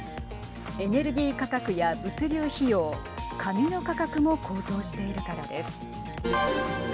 エネルギー価格や物流費用紙の価格も高騰しているからです。